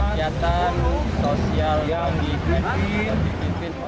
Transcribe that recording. kegiatan sosial yang dikepik